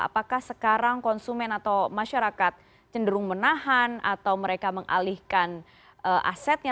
apakah sekarang konsumen atau masyarakat cenderung menahan atau mereka mengalihkan asetnya